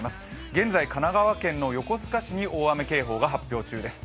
現在、神奈川県の横須賀市に大雨警報が発表中です。